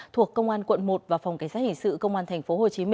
thuộc công an quận một và phòng cảnh sát hình sự công an tp hcm